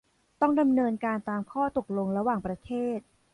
ต้องดำเนินการตามข้อตกลงระหว่างประเทศ